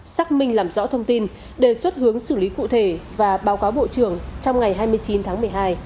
xác minh làm rõ thông tin đề xuất hướng xử lý cụ thể và báo cáo bộ trưởng trong ngày hai mươi chín tháng một mươi hai